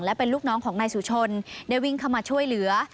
และเป็นลูกน้องของนายสุชนได้วิ่งเข้ามาช่วยเหลือ